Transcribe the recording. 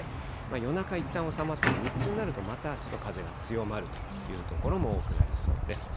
夜中、いったん収まっても日中になるとちょっと風が強まるという所も多くなりそうです。